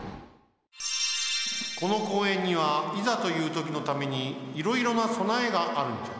この公園にはいざというときのためにいろいろなそなえがあるんじゃ。